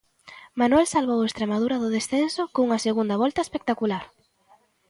Manuel salvou o Estremadura do descenso cunha segunda volta espectacular.